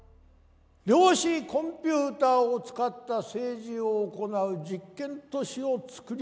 量子コンピューターを使った政治を行う実験都市を作り上げました。